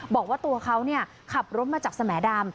บอกว่าตัวเขาขับรถมาจากสแหมดำ